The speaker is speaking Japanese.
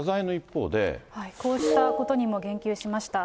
こうしたことにも言及しました。